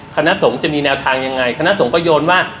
คณะสงฆ์จะมีแนวทางยังไงคณะสงฆ์ก็โยนว่า